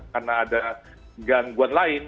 karena ada gangguan lain